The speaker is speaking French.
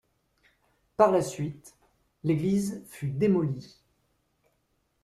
Par la suite, l'église fut démolie.